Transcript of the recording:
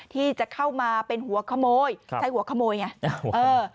ที่จะเข้ามาเป็นหัวขโมยใช้หัวขโมยไงเออ